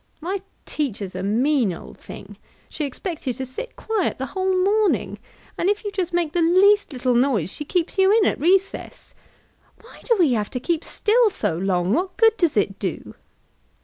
"My teacher's a mean old thing; she expects you to sit quiet the whole morning, and if you just make the least little noise, she keeps you in at recess. Why do we have to keep still so long? What good does it do?"